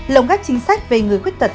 bốn lồng gác chính sách về người khuyết tật